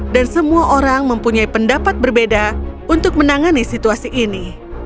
dan semua orang mempunyai pendapat berbeda untuk menangani situasi ini